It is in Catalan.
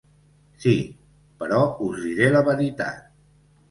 Sí. Però us diré la veritat.